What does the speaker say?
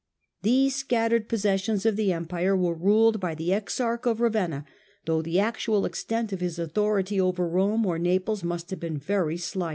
These scattered possessions of the Empire were ruled by the Exarch of Ravenna, though the actual extent of his authority over Rome or Naples must have been very slight.